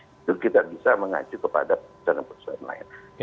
itu kita bisa mengacu kepada penyelenggaraan lain